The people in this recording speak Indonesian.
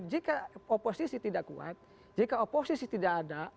jika oposisi tidak kuat jika oposisi tidak ada